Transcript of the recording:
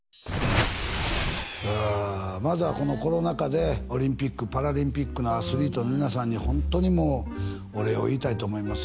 いやあまずはこのコロナ禍でオリンピックパラリンピックのアスリートの皆さんにホントにもうお礼を言いたいと思います